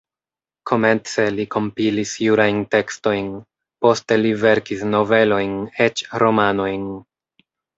Komence li kompilis jurajn tekstojn, poste li verkis novelojn, eĉ romanojn.